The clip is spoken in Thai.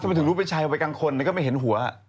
ทำไมถึงรู้เป็นชายออกไปกลางคนก็ไม่เห็นหัว